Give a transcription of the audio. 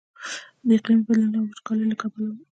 د اقلیمي بدلونونو او وچکاليو له کبله و.